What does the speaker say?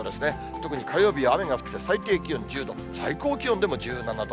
特に火曜日は雨が降って、最低気温１０度、最高気温でも１７度。